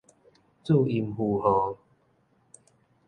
注音符號